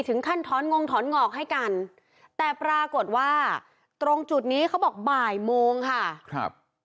ถึงขั้นถอนงงถอนงอกให้กันแต่ปรากฏว่าตรงจุดนี้เขาบอกบ่ายโมงค่ะครับ